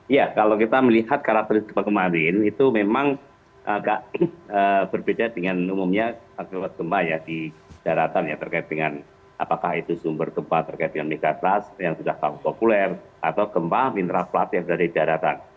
ya kalau kita melihat karakteristik gempa kemarin itu memang agak berbeda dengan umumnya akibat gempa ya di daratan ya terkait dengan apakah itu sumber gempa terkait dengan megatrust yang sudah sangat populer atau gempa mineral plat yang berada di daratan